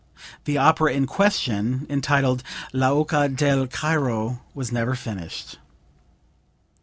The opera in question, entitled "L'Oca del Cairo," was never finished.)